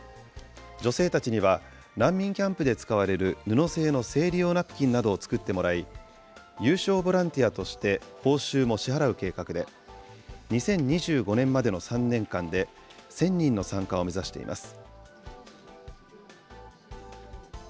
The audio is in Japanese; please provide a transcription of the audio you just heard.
女性たちには難民キャンプで使われる、布製の生理用ナプキンなどを作ってもらい、有償ボランティアとして報酬も支払う計画で、２０２５年までの３年間で、１０００人の参加を目指しています。